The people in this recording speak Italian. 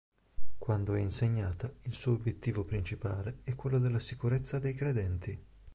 Quando è insegnata, il suo obiettivo principale è quello della sicurezza dei credenti.